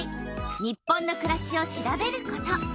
「日本のくらし」を調べること。